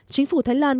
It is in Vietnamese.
chính phủ thái lan